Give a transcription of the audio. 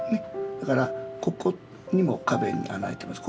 だからここにも壁に穴が開いてます。